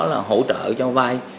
là hỗ trợ cho vay